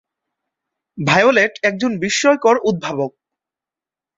Violet একজন বিস্ময়কর উদ্ভাবক।